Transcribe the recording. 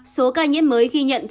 số ca nhiễm mới ghi nhận trong bộ y tế